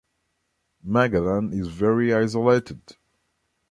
Magadan is very isolated.